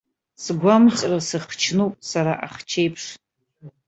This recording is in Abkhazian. Сгәамҵра сыхчнуп сара ахчеиԥш.